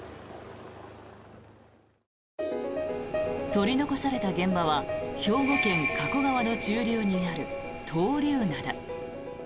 取り残された現場は兵庫県・加古川の中流にある闘竜灘。